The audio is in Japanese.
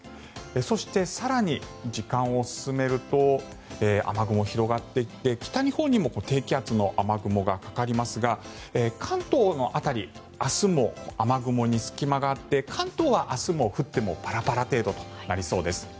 そして、更に時間を進めると雨雲、広がっていって北日本にも低気圧の雨雲がかかりますが関東の辺り明日も雨雲に隙間があって関東は明日も降ってもパラパラ程度となりそうです。